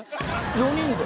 ４人で。